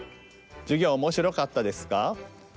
授業おもしろかったですか？